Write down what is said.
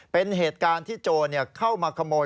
เป็นเหตุการณ์ที่โจโนียมากระโหมด